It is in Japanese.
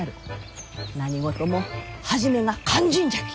何事も初めが肝心じゃき！